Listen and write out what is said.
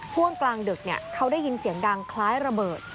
ช่วงกลางดึกเขาได้ยินเสียงดังคล้ายระเบิด